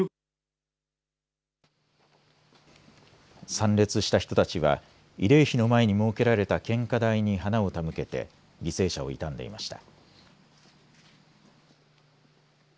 参列した人たちは慰霊碑の前に設けられた献花台に花を手向けて犠牲者を悼んでいました。